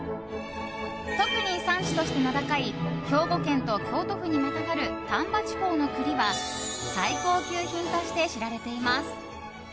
特に産地として名高い兵庫県と京都府にまたがる丹波地方の栗は最高級品として知られています。